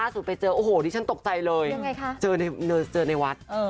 สุดไปเจอโอ้โหที่ฉันตกใจเลยยังไงคะเจอในเงินนัฐ์เออ